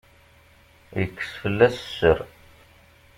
Yekkes fell-as sser.